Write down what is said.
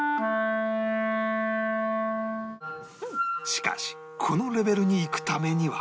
しかしこのレベルにいくためには